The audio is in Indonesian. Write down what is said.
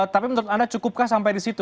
tapi menurut anda cukupkah sampai di situ